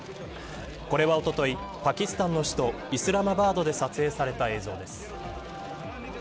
これは、おとといパキスタンの首都イスラマバードで撮影された映像です。